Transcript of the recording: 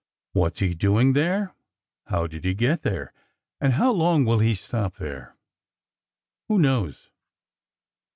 What's he doing there, how did he get there, and how long will he stop there ? Who knows